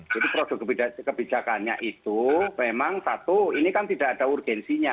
jadi produk kebijakannya itu memang satu ini adalah produk kebijakannya